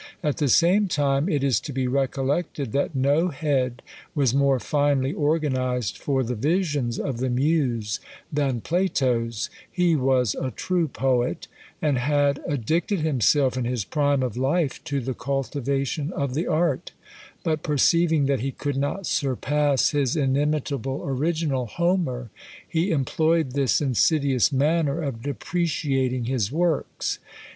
At the same time it is to be recollected, that no head was more finely organised for the visions of the muse than Plato's: he was a true poet, and had addicted himself in his prime of life to the cultivation of the art, but perceiving that he could not surpass his inimitable original, Homer, he employed this insidious manner of depreciating his works.